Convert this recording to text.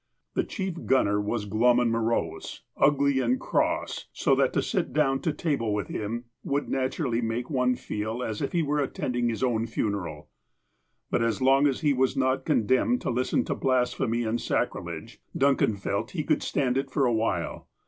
The chief gunner was glum and morose, ugly and cross, so that to sit down to table with him would naturally make any one feel as if he were attending his own funeral. But, as long as he was not condemned to listen to blas phemy and sacrilege, Duncan felt he could stand it for a while.